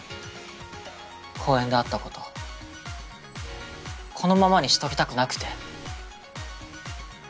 公園であったことこのままにしときたくなくて。